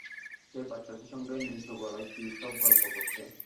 সে বাচ্চাটির সঙ্গে নিচুগলায় কী সব গল্প করছে।